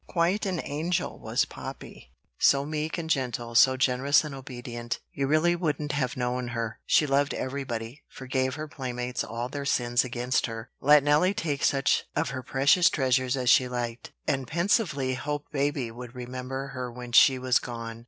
Quite an angel was Poppy; so meek and gentle, so generous and obedient, you really wouldn't have known her. She loved everybody, forgave her playmates all their sins against her, let Nelly take such of her precious treasures as she liked, and pensively hoped baby would remember her when she was gone.